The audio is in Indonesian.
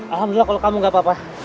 alhamdulillah kalau kamu gak apa apa